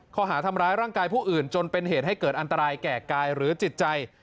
ข้อหาทำร้ายร่างกายผู้อื่นจนเป็นเหตุให้เกิดอันตรายแก่กายหรือจิตใจ